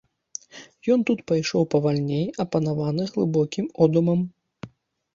Ён тут пайшоў павальней, апанаваны глыбокім одумам.